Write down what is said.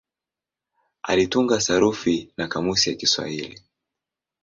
Alitunga sarufi na kamusi ya Kiswahili.